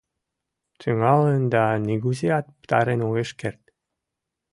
Тӱҥалын да нигузеат пытарен огеш керт.